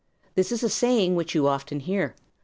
This is a saying which you often hear.